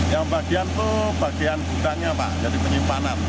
yang bagian itu bagian gudangnya pak jadi penyimpanan